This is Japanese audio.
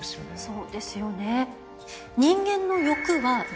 そうですよね。